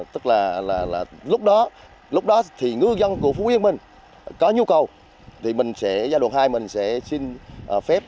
tức là lúc đó thì ngư dân của phú yên mình có nhu cầu thì giai đoạn hai mình sẽ xin phép